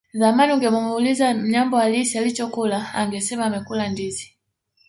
Zamani ungemuuliza Mnyambo halisi alichokula angesema amekula ndizi